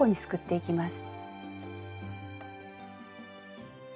いきます。